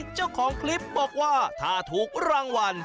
เจ้าของคลิปบอกว่าถ้าถูกรางวัล